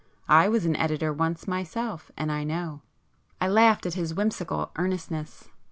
I was an editor once myself, and I know!" I laughed at his whimsical earnestness.